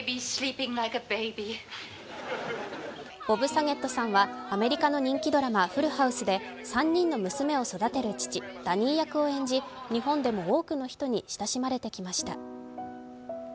ボブ・サゲットさんはアメリカの人気ドラマ「フルハウス」で３人の娘を育てる父・ダニー役を演じ日本でも多くの人に親しまれてきました。